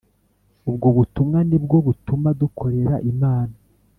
Ubwo butumwa ni bwo butuma dukorera Imana